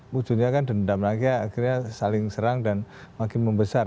wujudnya kan dendam lagi akhirnya saling serang dan makin membesar